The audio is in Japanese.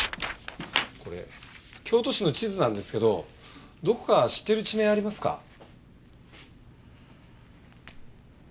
これ京都市の地図なんですけどどこか知ってる地名ありますか？